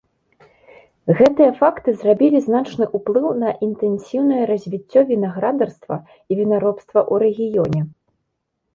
Гэтыя факты зрабілі значны ўплыў на інтэнсіўнае развіццё вінаградарства і вінаробства ў рэгіёне.